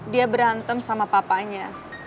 dia berantem sama papanya